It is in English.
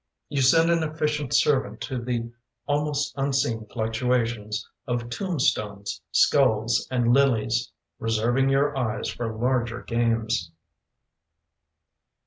You send an efficient servant To the almost unseen fluctuations Of tomb stones, skulls, and lilies, Reserving your eyes for larger games.